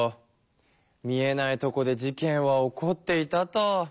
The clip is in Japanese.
見えないとこで事けんは起こっていたと。